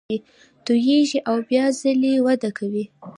توییږي او بیا ځپلې وده کوي